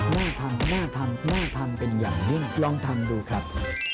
น่าทำน่าทำเป็นอย่างนี้ลองทำดูครับ